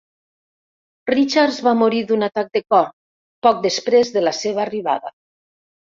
Richards va morir d"un atac de cor poc després de la seva arribada.